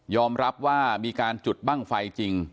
รับว่ามีการจุดบ้างไฟจริง